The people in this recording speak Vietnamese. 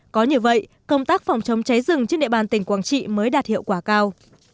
có như vậy công tác phòng chống cháy rừng trên địa bàn tỉnh quảng trị mới đạt hiệu quả cao